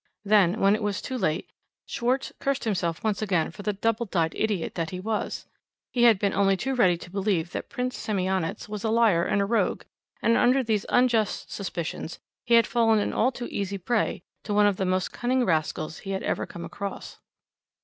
Then, when it was too late, Schwarz cursed himself once again for the double dyed idiot that he was. He had been only too ready to believe that Prince Semionicz was a liar and a rogue, and under these unjust suspicions he had fallen an all too easy prey to one of the most cunning rascals he had ever come across.